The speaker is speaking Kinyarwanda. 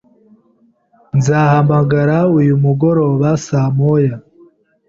Nzahamagara uyu mugoroba saa moya.